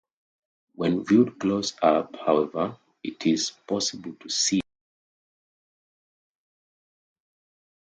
When viewed close up however, it is possible to see through the foil.